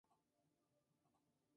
Puede moverse a la velocidad de la luz.